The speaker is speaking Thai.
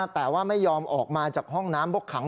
แต่ว่าไม่ยอมออกมาจากห้องน้ำบกขัง